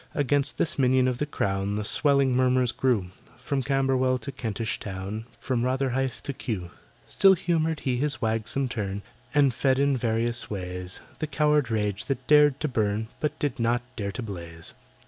Against this minion of the Crown The swelling murmurs grew— From Camberwell to Kentish Town— From Rotherhithe to Kew. Still humoured he his wagsome turn, And fed in various ways The coward rage that dared to burn, But did not dare to blaze.